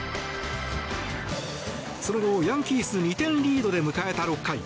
その後、ヤンキース２点リードで迎えた６回。